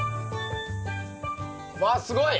わあすごい！